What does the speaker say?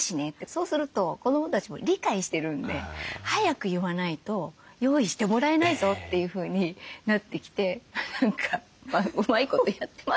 そうすると子どもたちも理解してるんで早く言わないと用意してもらえないぞというふうになってきて何かうまいことやってますけど。